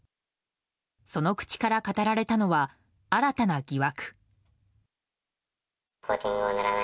その口から語られたのは新たな疑惑。